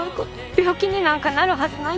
病気になんかなるはずない